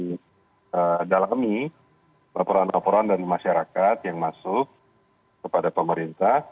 kami dalami laporan laporan dari masyarakat yang masuk kepada pemerintah